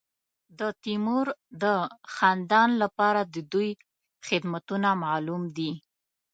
د تیمور د خاندان لپاره د دوی خدمتونه معلوم دي.